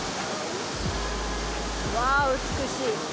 わぁ美しい。